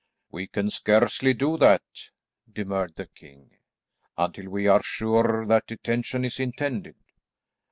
"We can scarcely do that," demurred the king, "until we are sure that detention is intended.